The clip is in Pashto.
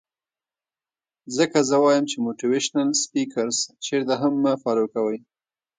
ځکه زۀ وائم چې موټيوېشنل سپيکرز چرته هم مۀ فالو کوئ